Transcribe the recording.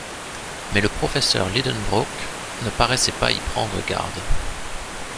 Mais le professeur Lidenbrock ne paraissait pas y prendre garde.